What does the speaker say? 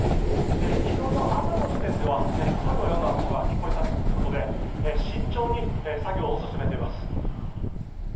昨日の朝の時点では声のようなものが聞こえたということで慎重に作業を進めています。